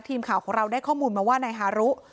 ทีมข่าวของเราได้ข้อมูลมาว่านายฮารุ